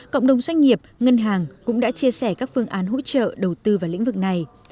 cộng đồng doanh nghiệp ngân hàng cũng đã chia sẻ các phương án hỗ trợ đầu tư vào lĩnh vực này